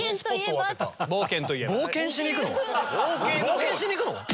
冒険しにいくの？